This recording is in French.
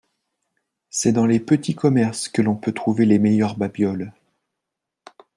C'est dans les petits commerces que l'on peut trouver les meilleurs babioles.